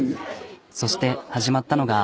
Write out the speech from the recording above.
そして始まったのが。